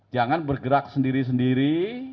jangan bergerak sendiri sendiri